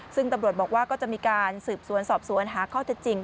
ซึ่งตำรวจบอกว่าก็จะมีการสืบสวนสอบสวนหาข้อเท็จจริง